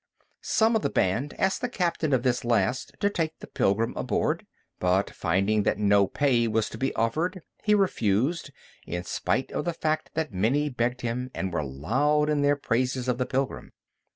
Some of the band asked the captain of this last to take the pilgrim aboard; but, finding that no pay was to be offered, he refused, in spite of the fact that many begged him and were loud in their praises of the pilgrim.